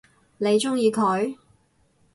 你鍾意佢？